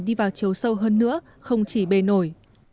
đi vào chiều sâu hơn nữa không chỉ bề nổi